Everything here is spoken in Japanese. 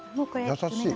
優しい。